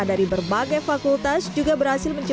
dari berbagai fakultas juga berhasil